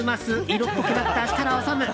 色っぽくなった設楽統。